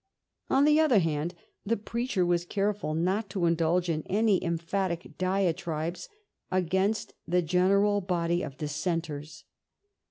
On the other hand, the preacher was careful not to indulge in any emphatic diatribes against the general body of Dissenters.